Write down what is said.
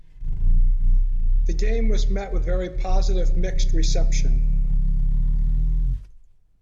The game was met with very positive to mixed reception.